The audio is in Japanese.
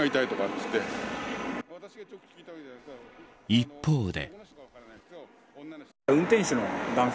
一方で。